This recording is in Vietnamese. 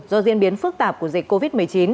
do diễn biến phức tạp của dịch covid một mươi chín